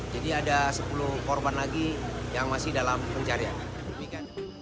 jadi ada sepuluh korban lagi yang masih dalam pencarian